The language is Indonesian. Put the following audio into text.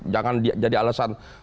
jangan jadi alasan